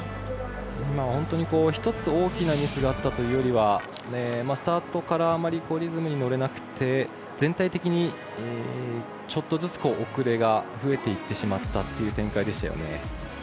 本当に、１つ大きなミスがあったというよりはスタートからあまりリズムに乗れなくて全体的にちょっとずつ遅れが増えていってしまったという展開でしたよね。